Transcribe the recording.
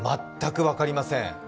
全く分かりません。